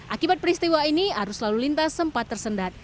akibat peristiwa ini arus lalu lintas sempat tersendat